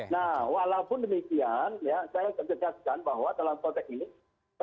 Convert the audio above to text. nah walaupun demikian saya kejadikan bahwa dalam protek ini